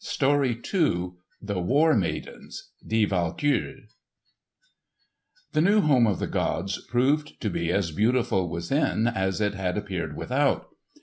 *PART II* *THE WAR MAIDENS* The new home of the gods proved to be as beautiful within as it had appeared without.